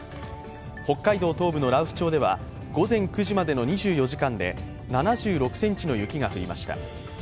北海道東部の羅臼町では午前９時までの２４時間で７６ｃｍの雪が降りました。